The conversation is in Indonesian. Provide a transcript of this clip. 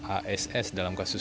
ass dalam kasus